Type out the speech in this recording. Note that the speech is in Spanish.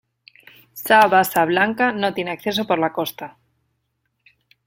Sa Bassa Blanca no tiene acceso por la costa.